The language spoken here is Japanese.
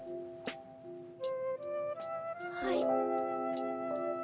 はい。